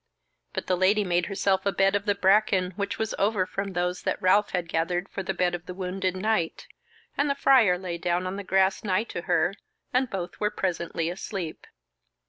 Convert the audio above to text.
But the Lady made herself a bed of the bracken which was over from those that Ralph had gathered for the bed of the wounded Knight; and the Friar lay down on the grass nigh to her, and both were presently asleep.